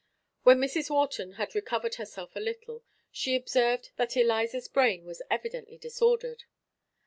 When Mrs. Wharton had recovered herself a little, she observed that Eliza's brain was evidently disordered.